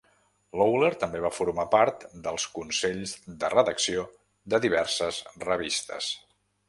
Lawler també va formar part dels consells de redacció de diverses revistes.